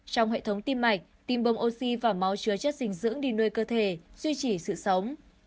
trong hệ thống tim mạch tim bâm oxy và máu chứa chất dinh dưỡng đi nuôi cơ thể duy trì sự sống